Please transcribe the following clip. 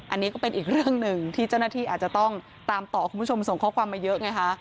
อันนี้ก็เป็นอีกเรื่องหนึ่งที่เจ้าหน้าที่อาจจะต้องตามต่อคุณผู้ชมส่งข้อความมาเยอะไงคะ